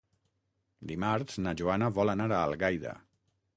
Dimarts na Joana vol anar a Algaida.